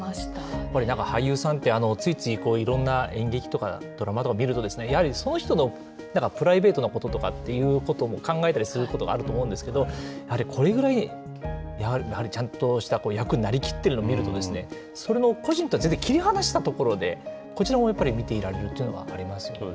やっぱりなんか俳優さんって、ついつい、いろんな演劇とかドラマとか見ると、やはりその人のなんかプライベートなこととかっていうことも、考えたりすることがあると思うんですけど、これぐらいやはりちゃんとした役になりきってるのを見ると、それを個人とは全然切り離したところで、こちらもやっぱり見ていられるっていうのがあります